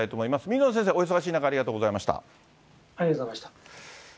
水野先生、お忙しい中、ありがとうございました。